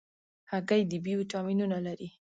هګۍ د B ویټامینونه لري.